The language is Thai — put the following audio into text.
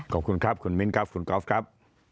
ขอบคุณครับคุณมิ้นครับคุณกอล์ฟครับ